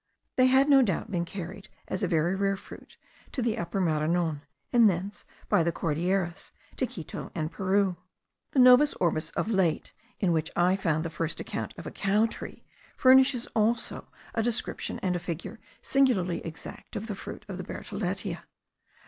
They had no doubt been carried, as a very rare fruit, to the Upper Maranon, and thence, by the Cordilleras, to Quito and Peru. The Novus Orbis of Laet, in which I found the first account of the cow tree, furnishes also a description and a figure singularly exact of the fruit of the bertholletia.